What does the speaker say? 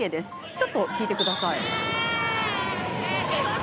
ちょっと聞いてください。